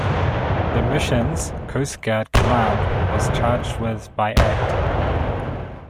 The missions, Coast Guard Command was charged with by Act.